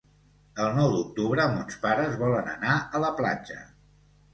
El nou d'octubre mons pares volen anar a la platja.